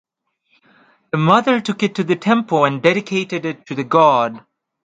The mother took it to the temple and dedicated it to the god.